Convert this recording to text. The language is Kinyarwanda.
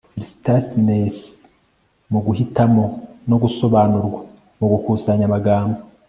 Felicitousness muguhitamo no gusobanurwa mugukusanya amagambo